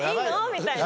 みたいな。